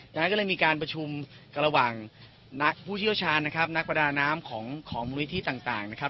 จากนั้นก็เลยมีการประชุมระหว่างนักผู้เชี่ยวชาญนะครับนักประดาน้ำของมูลนิธิต่างนะครับ